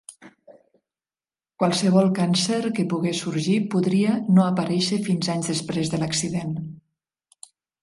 Qualsevol càncer que pogués sorgir podria no aparèixer fins anys després de l'accident.